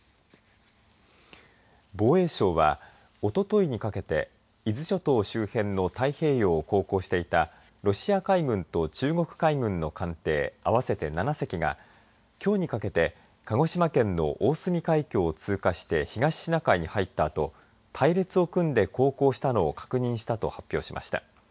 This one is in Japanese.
防衛省はおとといにかけて伊豆諸島周辺の太平洋を航行していたロシア海軍と中国海軍の艦艇合わせて７隻が、きょうにかけて鹿児島県の大隅海峡を通過して東シナ海に入ったあと隊列を組んで航行したの確認したと発表しました。